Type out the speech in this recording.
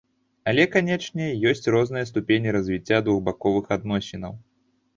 Але канечне, ёсць розныя ступені развіцця двухбаковых адносінаў.